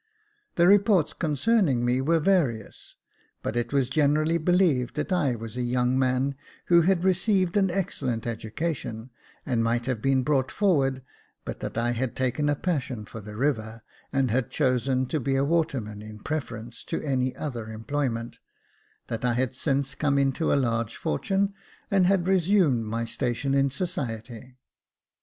The reports concerning me were various ; but it was generally believed that I was a young man who had received an excellent education, and might have been brought forward, but that I had taken a passion for the river, and had chosen to be a waterman in preference to any other employment; that I had since come into a large fortune, and had resumed my station in society.